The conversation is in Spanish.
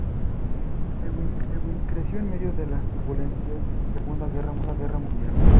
Lewin creció en medio de las turbulencias de la Segunda Guerra Mundial.